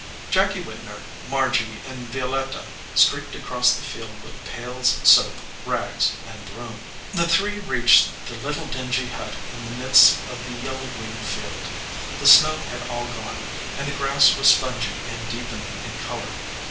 Jacky Widner, Margy, and Vio letta streaked across the field with pails, soap, rags, and broom. The three reached the little dingy hut in the midst of the yellow green field. The snow had all gone, and the grass was spongy and deepening in color.